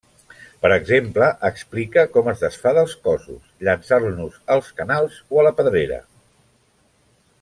Per exemple explica com es desfà dels cossos, llançant-los als canals o a la pedrera.